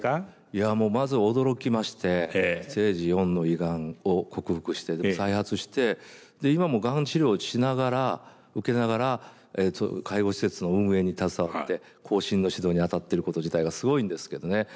いやもうまず驚きましてステージ４の胃がんを克服して再発して今もがん治療をしながら受けながら介護施設の運営に携わって後進の指導にあたってること自体がすごいんですけどね。